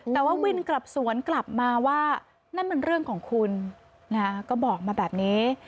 แต่ว่าวินกลับสวนกลับมาว่านั่นมันเรื่องของคุณก็บอกมาแบบนี้